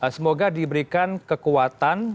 semoga diberikan kekuatan